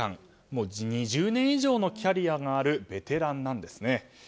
もう２０年以上のキャリアがあるベテランなんですね。